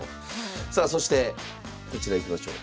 さあそしてこちらいきましょう。